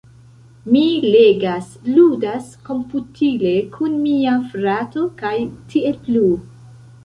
mi legas, ludas komputile kun mia frato, kaj tiel plu.